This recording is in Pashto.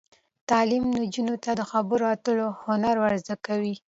تعلیم نجونو ته د خبرو اترو هنر ور زده کوي.